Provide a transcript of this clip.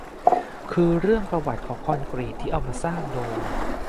คือเรื่องประวัติของคอนกรีตที่เอามาสร้างโดม